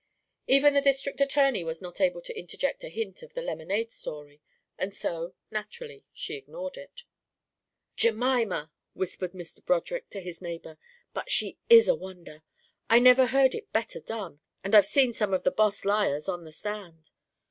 Even the district attorney was not able to interject a hint of the lemonade story, and so, naturally, she ignored it. "Gemima!" whispered Mr. Broderick to his neighbour, "but she is a wonder! I never heard it better done, and I've seen some of the boss liars on the stand.